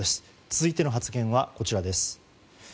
続いての発言はこちらです。